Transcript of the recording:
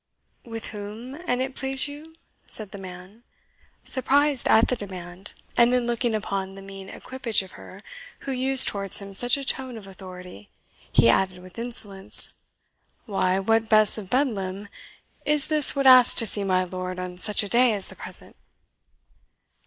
"With whom, an it please you?" said the man, surprised at the demand; and then looking upon the mean equipage of her who used towards him such a tone of authority, he added, with insolence, "Why, what Bess of Bedlam is this would ask to see my lord on such a day as the present?"